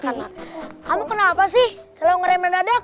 kamu kenapa sih selalu ngeremen dadeg